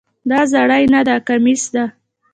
دا زری نده، کمیس ده.